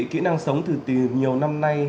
kỹ năng sống từ từ nhiều năm nay